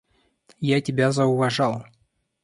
Я тебя зауважал.